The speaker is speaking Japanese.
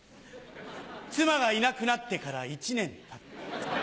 妻がいなくなってから１年たった。